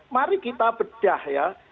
mari kita bedah ya